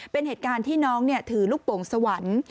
เป็นเหตุการณ์ที่น้องถือลูกโป่งสวรรค์